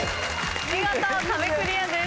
見事壁クリアです。